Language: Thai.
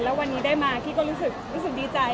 แล้ววันนี้ได้มากพี่ก็รู้สึกดีใจ